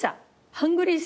ハングリー